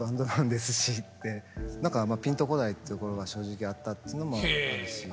何かあんまピンとこないところが正直あったというのもあるし。